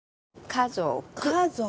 家族。